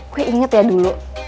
gue inget ya dulu